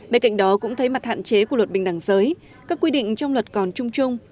bên cạnh đó cũng thấy mặt hạn chế của luật bình đẳng giới các quy định trong luật còn chung chung